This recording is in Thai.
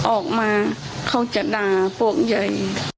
ออกมาเขาจะด่าพวกเยย